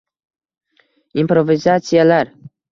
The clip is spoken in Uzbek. Improvizatsiyalar